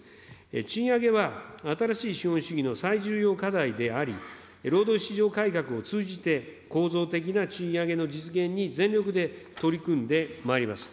賃上げは新しい資本主義の最重要課題であり、労働市場改革を通じて、構造的な賃上げの実現に全力で取り組んでまいります。